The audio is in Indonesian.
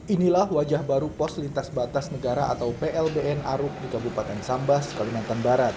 inilah wajah baru pos lintas batas negara atau plbn aruk di kabupaten sambas kalimantan barat